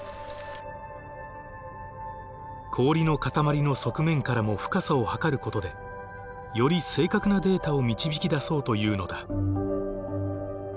氷の塊の側面からも深さを測ることでより正確なデータを導きだそうというのだ。